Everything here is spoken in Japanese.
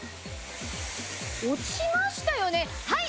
落ちましたよねはい！